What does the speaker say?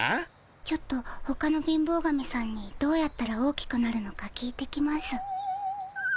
ちょっとほかの貧乏神さんにどうやったら大きくなるのか聞いてきます。